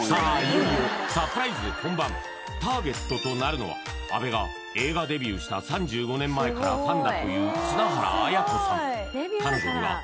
いよいよサプライズ本番ターゲットとなるのは阿部が映画デビューした３５年前からファンだという砂原阿屋子さん